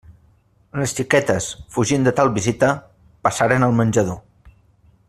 Les xiquetes, fugint de tal visita, passaren al menjador.